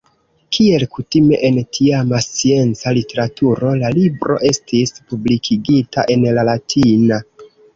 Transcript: Kiel kutime en tiama scienca literaturo, la libro estis publikigita en la latina.